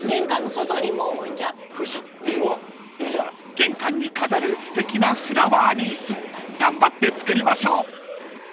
［玄関に飾るすてきなフラワーリース頑張って作りましょう］